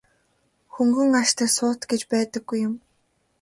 Хөнгөн араншинтай суут гэж байдаггүй юм.